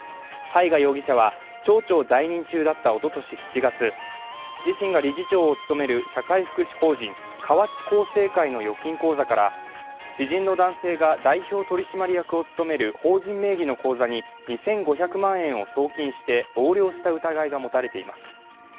雑賀容疑者は町長在任中だったおととし７月、自身が理事長を務める河内厚生会の預金口座から知人の男性が代表取締役を務める法人名義の口座に２５００万円を送金して横領した疑いが持たれています。